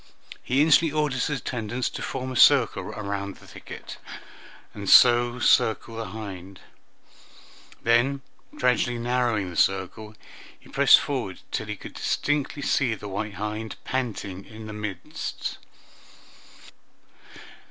He instantly ordered his attendants to form a ring round the thicket, and so encircle the hind; then, gradually narrowing the circle, he pressed forward till he could distinctly see the white hind panting in the midst.